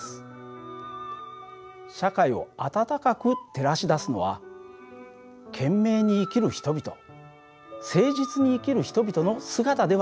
社会を温かく照らし出すのは懸命に生きる人々誠実に生きる人々の姿ではないでしょうか？